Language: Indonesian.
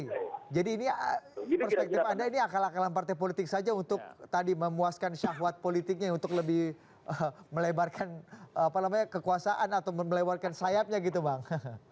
oke jadi ini perspektif anda ini akal akalan partai politik saja untuk tadi memuaskan syahwat politiknya untuk lebih melebarkan kekuasaan atau melewatkan sayapnya gitu bang